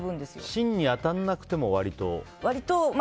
芯に当たらなくても割と。